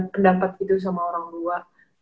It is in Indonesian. pendapat gitu sama orangtua